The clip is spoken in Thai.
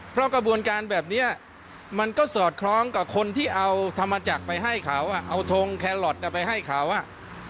เพราะกระบวนการแบบนี้มันก็สอดคล้องกับคนที่เอาธรรมจักรไปให้เขาเอาทงแคลอทไปให้เขาอ่ะ